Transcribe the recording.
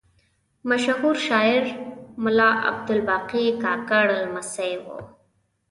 مشهور شاعر ملا عبدالباقي کاکړ لمسی و.